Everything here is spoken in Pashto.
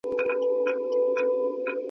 بخښنه زړه سپکوي.